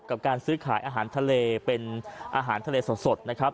การซื้อขายอาหารทะเลเป็นอาหารทะเลสดนะครับ